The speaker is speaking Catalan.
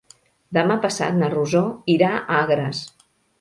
Demà passat na Rosó irà a Agres.